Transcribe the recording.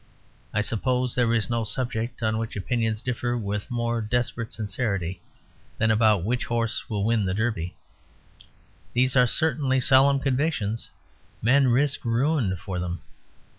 I suppose there is no subject on which opinions differ with more desperate sincerity than about which horse will win the Derby. These are certainly solemn convictions; men risk ruin for them.